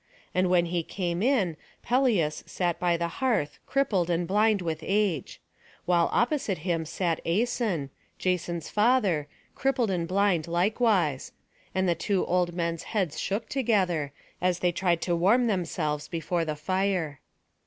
And when he came in, Pelias sat by the hearth, crippled and blind with age; while opposite him sat Æson, Jason's father, crippled and blind likewise; and the two old men's heads shook together, as they tried to warm themselves before the fire.